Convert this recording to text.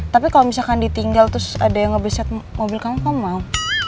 tapi kalo misalkan ditinggal terus ada yang ngebeset mobil kamu kamu mau